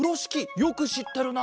よくしってるな！